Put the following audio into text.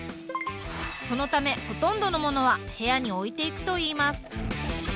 そのためほとんどのものは部屋に置いていくといいます。